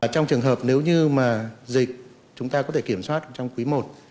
trong trường hợp nếu như mà dịch chúng ta có thể kiểm soát trong quý i